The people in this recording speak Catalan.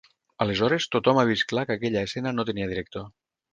Aleshores tothom ha vist clar que aquella escena no tenia director.